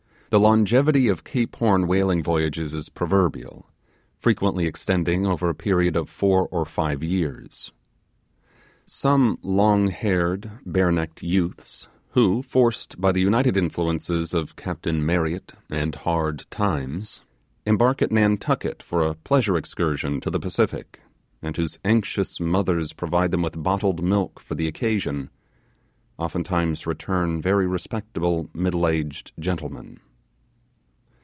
The longevity of Cape Horn whaling voyages is proverbial, frequently extending over a period of four or five years. Some long haired, bare necked youths, who, forced by the united influences of Captain Marryatt and hard times, embark at Nantucket for a pleasure excursion to the Pacific, and whose anxious mothers provide them, with bottled milk for the occasion, oftentimes return very respectable middle aged gentlemen.